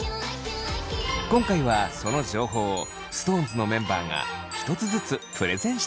今回はその情報をＳｉｘＴＯＮＥＳのメンバーが一つずつプレゼンしていきます！